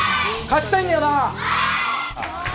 勝ちたいんだよなはい！